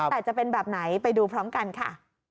แต่จะเป็นแบบไหนไปดูพร้อมกันค่ะ